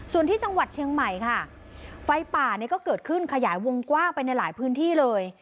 ส่วนที่จังหวัดเชียงใหม่ค่ะไฟป่าเนี่ยก็เกิดขึ้นขยายวงกว้างไปในหลายพื้นที่เลย